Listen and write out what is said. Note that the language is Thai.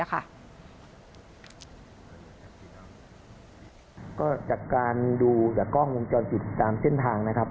ก็จากการดูจากกล้องวงจรปิดตามเส้นทางนะครับ